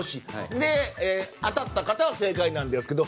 で、当たった方が正解なんですけど。